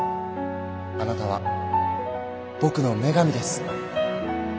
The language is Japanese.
あなたは僕の女神です。